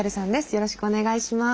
よろしくお願いします。